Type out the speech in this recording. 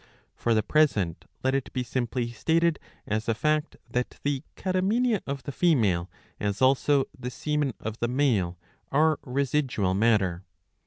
For the present let it be simply stated "as a fact, that the catamenia of the female as also the semen of the male are residual matter.